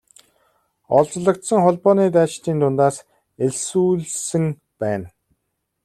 Олзлогдсон холбооны дайчдын дундаас элсүүлсэн байна.